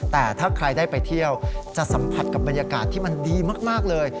แต่ถ้าใครได้ไปเที่ยวจะสัมผัสกับบรรยากาศที่มันดีมากเลย